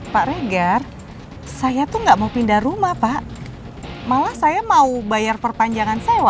pak regar saya tuh nggak mau pindah rumah pak malah saya mau bayar perpanjangan sewa